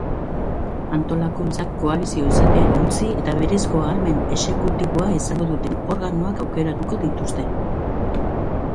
Antolakuntzak koalizio izateari utzi eta berezko ahalmen exekutiboa izango duten organoak aukeratuko dituzte.